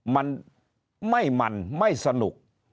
มันไม่มันไม่สนุก